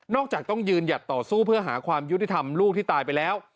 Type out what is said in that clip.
จากต้องยืนหยัดต่อสู้เพื่อหาความยุติธรรมลูกที่ตายไปแล้ว